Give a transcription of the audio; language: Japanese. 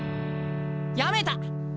やめた！